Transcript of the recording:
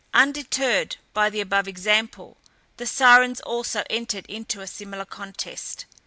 Undeterred by the above example, the Sirens also entered into a similar contest.